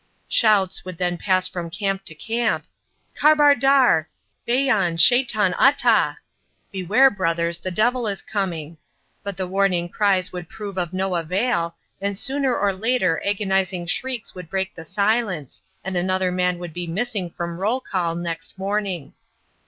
Shouts would then pass from camp to camp, "Khabar dar, bhaieon, shaitan ata" ("Beware, brothers, the devil is coming"), but the warning cries would prove of no avail, and sooner or later agonising shrieks would break the silence, and another man would be missing from roll call next morning.